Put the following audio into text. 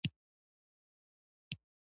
ما د مریخ هلیکوپټر الوتنه ولیدله.